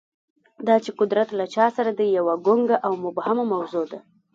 دا چې قدرت له چا سره دی، یوه ګونګه او مبهمه موضوع ده.